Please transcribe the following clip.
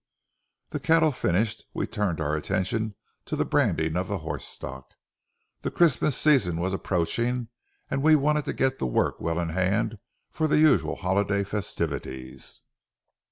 The cattle finished, we turned our attention to the branding of the horse stock. The Christmas season was approaching, and we wanted to get the work well in hand for the usual holiday festivities.